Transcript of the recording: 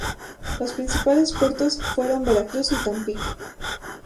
Los principales puertos fueron Veracruz y Tampico.